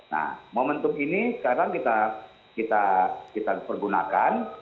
nah momentum ini sekarang kita pergunakan